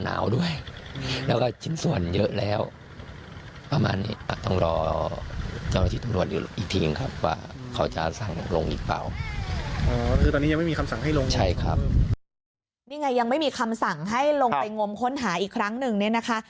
นี่ไงยังไม่มีคำสั่งให้ลงไปงมค้นหาอีกครั้งหนึ่งเนี่ยนะคะ